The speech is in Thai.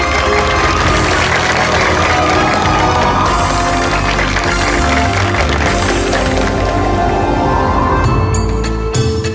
โชว์สี่ภาคจากอัลคาซ่าครับ